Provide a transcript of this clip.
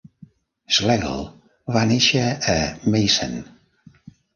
Schlegel va néixer a Meissen.